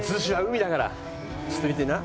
ちょっと見てみな。